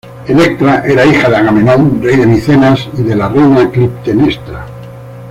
Electra era hija de Agamenón, rey de Micenas y de la reina Clitemnestra.